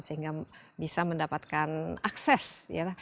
sehingga bisa mendapatkan akses ya ekonomis terhadap hutan